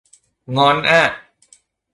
งอนอะ